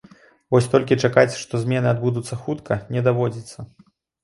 Вось толькі чакаць, што змены адбудуцца хутка, не даводзіцца.